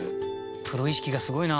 プロ意識がすごいな。